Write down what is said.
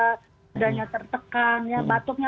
udahnya tertekan ya batuknya